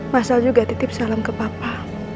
masalah juga titip salam ke papa